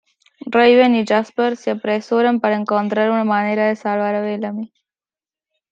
Raven y Jasper se apresuran para encontrar una manera de salvar a Bellamy.